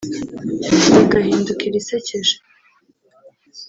rigahinduka irisekeje